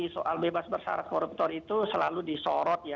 soal bebas bersarat koruptor itu selalu disorot ya